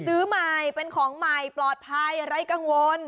ซื้อใหม่เป็นของใหม่ปลอดภัยไร้กังวล